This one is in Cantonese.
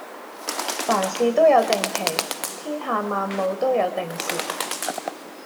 凡事都有定期，天下萬務都有定時